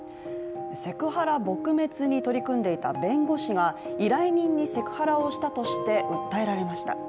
セクハラ撲滅に取り組んでいた弁護士が依頼人にセクハラをしたとして訴えられました。